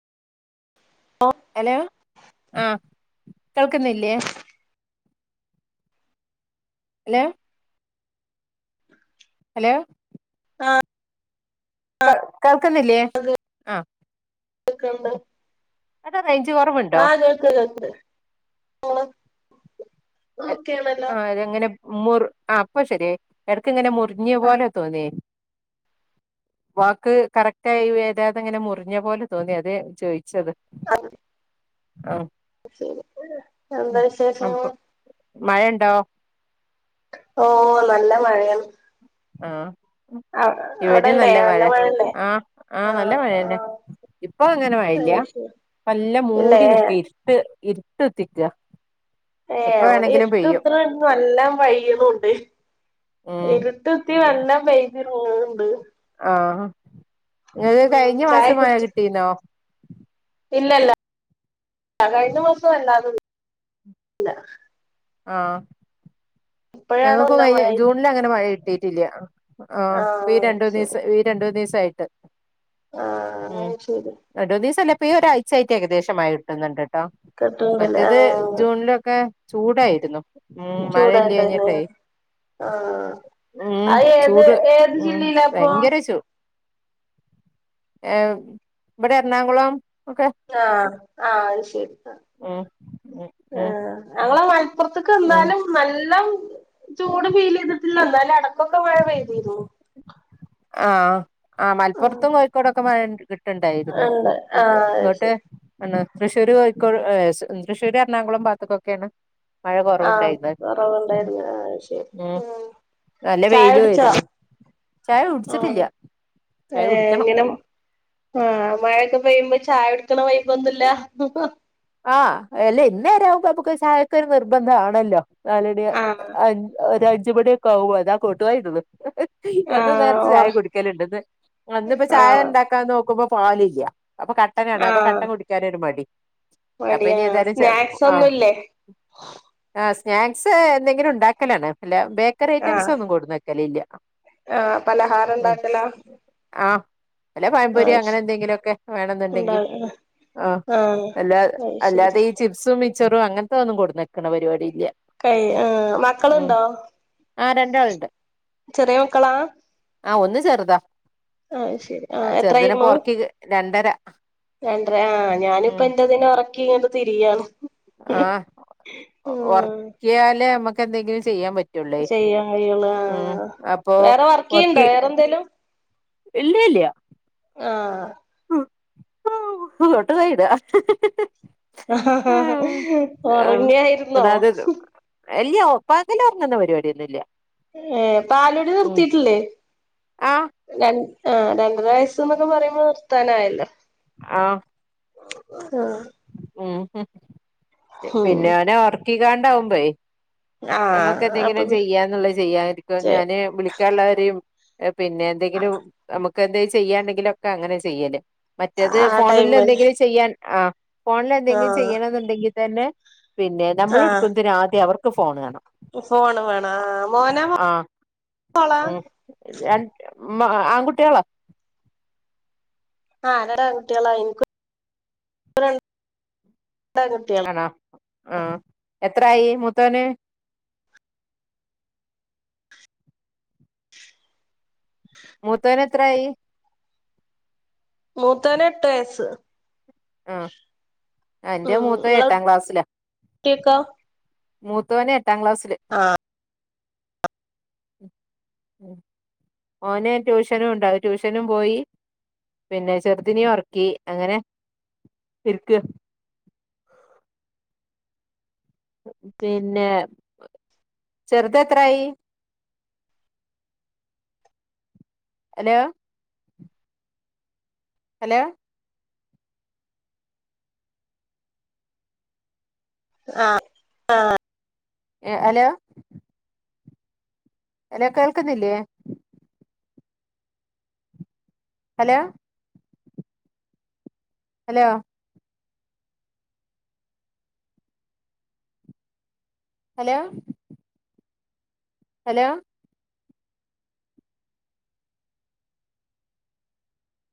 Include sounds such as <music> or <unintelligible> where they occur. ഓ hello ആ കേൾക്കുന്നില്ലേ? Hello. Hello. ആഹ് ക കേൾക്കുന്നില്ലേ? <unintelligible> ആഹ് കേൾക്കണ്ട് അവിടെ റേഞ്ച് കൊറവ്ണ്ടോ? കേൾക്കണ്ട്‌ <unintelligible> <unintelligible> ആഹ് തെങ്ങനെ മുർ ആഹ് ഇപ്പൊ ശെരിയായി എടക്ക്ങ്ങനെ മുർ ഞ്ഞ പോലെ തോന്നി. <inaudible> വാക്ക് കറക്റ്റായി വരാതെങ്ങനെ മുറിഞ്ഞ പോലെ തോന്നി അതാ ചോയിച്ചത്. ആഹ് ആഹ് ശരി എന്താ വിശേഷങ്ങള്? മഴണ്ടോ? ഓ നല്ല മഴയാണ് ആഹ് അവ ഇവിടിം അവിടെല്ലേ നല്ല മഴ മഴല്ലേ ആഹ് ആഹ് നല്ല മഴ തന്നെ. ഇപ്പൊ അങ്ങനെ മയല്ല അത് ശരി പ നല്ല ഇല്ലേ മൂടി നിക്ക ഇര്ട്ട് ഇര്ട്ട്ത്തിക്ക. ഏ ഇവിടെ ഇര്ട്ട്ത്ത് ന. നല്ലോം പെയ്യ്ണുണ്ട് ഉം ഇരുട്ട് ത്തി നല്ലം പെയ്യിനുണ്ട് ആഹ് ഇങ്ങക്ക് ഉം കഴിഞ്ഞ ചായ മാസം മയ കുടിച്ചോ കിട്ടീനോ? ഇല്ലല്ല കഴിഞ്ഞ മാസം വല്ലാതെ <unintelligible> ല്ല ആഹ് ഇപ്പോഴാണ് ഞങ്ങക്കും നല്ല കഴി മഴ ജൂൺല് അങ്ങനെ മഴ കിട്ടീട്ടില്ല ആ ഇപ്പി ആഹ് ശരി രണ്ടൂന്നീസം രണ്ടൂന്നീസായിട്ട് ആഹ് ഉം ശരി രണ്ടൂന്നീസല്ല ഇപ്പോ ഈ ഒരാഴ്ചായിട്ട് ഏകദേശം മയ കിട്ടുന്നുണ്ട്. കേട്ടോ കേട്ടണ്ടല്ലേ മറ്റത് ആഹ് ജൂണിലൊക്കെ ചൂടായിരുന്നു ഉം മഴല്യാഞ്ഞിട്ട്. ചൂടായിട്ടന്നെ <unintelligible> ആഹ് ഉം അത് ഏത് ചൂട് ഏത് ഉം ജില്ലയിലാപ്പൊ ഭയങ്കര ചൂട്. ഏ വടെ എറണാകുളം ഒക്കെ. ആഹ് ആഹ് അത് ശെരി ആഹ് ഉം ഉം ഉം ആഹ് ഞങ്ങളെ മൽ പൊർത്ത്ക്ക് ഉം ഇന്നാലും നല്ലംചൂട് ഫീലീത്ട്ട്ല്ല ഇന്നാലും എടകൊക്കെ മയപെയ്തീന്നു ആഹ് ആഹ് ആഹ് മൽപ്പാെർത്തും കോയിക്കോടൊക്കെ മയണ്ട് കിട്ട്ണ്ടായിരുന്നു ഉണ്ട് ഇ ആഹ് അത് ഇങ്ങോട്ട് ശരി ആണ് തൃശ്ശൂര് കോയിക്കോട് ഏസ് ഉം തൃശ്ശൂര് എർണാകുളം ഭാഗ്ത്ത്ക്ക് ഒക്കേണ് മഴ കൊറവ് ആഹ് ഇണ്ടായ്ന്നത് ഉംഹ് കൊറവുണ്ടായിരുന്നു ആഹ് അത് ശരി ഉം നല്ല ചായ കുടിച്ചോ വെെലോര്ന്നു ആഹ് ചായ കുടിക്കണം ഏങ്ങനം ആഹ് മയൊക്കെ പെയ്യുമ്പാെ ചായുട്ക്ക്ണ വൈബാെന്നുല്ല ഉംഹ് ആഹ് അല്ലേ ഇന്നേരാവുംമ്പൊ അപ്പാെക്കെര് സായക്കാെര് നിർബന്ധ ആണല്ലോ നാലണി ആഹ് അ ഒരഞ്ച് മണിയൊക്കെ ആവും അതാ കാേട്ടുവായി ഇടുന്ന് ഹ് ഹ് എന്നും ആഹ് ഇംനേരത്ത് ഓ ചായ കുടിക്കല്ണ്ട് ഇന്ന് ആഹ് ഇന്ന്പ്പൊ ചായ ആഹ് ഇണ്ടാക്കാൻ നോക്കുമ്പാെ പാല് ഇല്യ അപ്പൊ കട്ടനാണ് അപ്പൊ ആഹ് കട്ടൻ കുടിക്യാനൊരുമടി അപ്പൊ മടിയാ ഇനി ഏതായാലും ചപ് സ്നാക്സ് ആഹ് ഒന്നുംല്ലേ ആഹ് സ്നാക്സ് എന്തെങ്കിലും ഇണ്ടാക്കലാണ് അല്ല ബേക്കറി ഐറ്റംസ് ആഹ് ഒന്നും കൊട്ന്ന് വെക്കലില്യ ആഹ് പലഹാരം ഇണ്ടാക്കലാ ആഹ് വെല്ല പയംപൊരി ശ് അങ്ങനെ എന്തെങ്കിലൊക്കെ വേണംന്ന്ണ്ടെങ്കി ഉണ്ടാകും ആഹ് എല്ലാ അത് ശരി അല്ലാതെ ഈ ചിപ്സും മിച്ചറും അങ്ങൻത്തത് ഒന്നും കൊട് ന്നെക്ക്ണ പരിവാടില്യ കൈ ആഹ് മക്കള്ണ്ടോ ആഹ് രണ്ടാളുണ്ട് ചെറിയ മക്കളാ ആഹ് ഒന്ന് ചെറ്താ അത് ശരി ആ അചെറ്തിനെ ഇപ്പൊ ഒറക്കി രണ്ടര രണ്ട് രാ ആഹ് ഞാന്പ്പ ഉം എന്റതിനെ ഒറക്കി ഇങ്ങട്ട് തിരിയാണ് ആഹ് ഒ ഉം ഒർക്കിയാലെ അമ്മക്കെന്തെങ്കിലും ചെയ്യാൻ പ റ്റൊള്ളേയ് ചെയ്യാൻ കഴിയുള്ളൂ ഉം ആഹ് അപ്പൊ വേറെ വർക്ക് ചെയ്യ്ണ്ടോ ഒർക്കി വേറെ എന്തേലും ഇല്യേ ഇല്യ ആഹ് ഹൊ ഹോ ഹൂ കോട്ടുവായിടാ അഹ്ഹ്ഹ്ഹ് ഉറങ്ങായിരുന്നോ <unintelligible> എല്യാപകലാെർങ്ങ്ന്ന പരിവാടിയൊന്നും ഇല്യ ഏഹ് പാലുടി നിർത്തിയിട്ടില്ലേ ആഹ് രണ്ട് ആഹ് രണ്ടര വയസ്സ്ന്ന് ഒക്കെ പറയുമ്പോ നിർത്താനായല്ലോ ആഹ് ആഹ് ഉംഹും ഉം പിന്നെ അവനെ ഒർ ക്കികാണ്ടാവുമ്പേയ് ആഹ് ഞമ്മക്ക് അപ്പൊ എന്തെങ്കിലും ചെയ്യാന്നുള്ളത് ചെയ്യാതിരിക്കോ ചെ ഞാന് വിളി ക്യാള്ളവരിം എപിന്നെ എന്തെങ്കിലും അമക്ക് എന്തേലും ചെയ്യാണ്ടെങ്കിലൊക്കെ അങ്ങനെ ചെയ്യല് മറ്റേത് ആ ഫോണില് ടൈമില് എന്തെങ്കിലും ചെയ്യാൻ ആഹ് ഫോൺല് എന്തെങ്കിലും ആഹ് ചെയ്യണംന്ന്ണ്ടെങ്കി തെന്നെ പിന്നെ നമ്മള് ആഹ് ഇട്ക്കുന്തിന് ആദ്യം അവർക്ക് ഫോണ് കാണണം ഫോണ് വേണാ മോനാ മൊ മോളാ രൺ മ്മാ ആൺകുട്ടികളാ ആഹ് രണ്ടാങ്കുട്ടിയേളാ എനിക്കും രണ്ടാങ്കുട്ടിയേള് ആണോ ആഹ് എത്രായി മൂത്തോന് മൂത്തോന് എത്രായി മൂത്താേന് എട്ട് വയസ്സ് ആഹ് അന്റെ മൂത്തത് എട്ടാം ക്ലാസ്സിലാ കേക്കാ മൂത്തോന് എട്ടാം ക്ലാസ്സ്ല് ആഹ് ഉം ഏഹ് ഓന് ട്യൂഷനും ഉണ്ടാ ട്യൂഷനും പോയി പിന്നെ ചെറ്തിനി ഒറക്കി അങ്ങനെ ഇരിക്കാ പിന്നെ ചെറ്ത് എത്രായി എലോ ഹലോ ആഹ ആ ഏ ഹലോ ഹലോ കേൾക്കുന്നില്ലേ. Hello hello hello hello